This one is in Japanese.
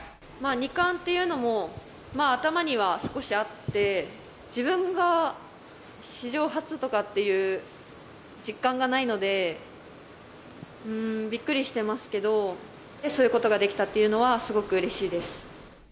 ２冠というのも頭には少しあって、自分が史上初とかっていう実感がないので、びっくりしてますけど、そういうことができたっていうのは、すごくうれしいです。